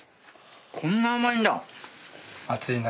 こんな甘いんだ。